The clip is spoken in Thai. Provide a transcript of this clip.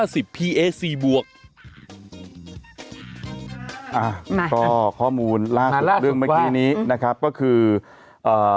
อ่าก็ข้อมูลล่าสุดเรื่องเมื่อกี้นี้นะครับก็คือเอ่อ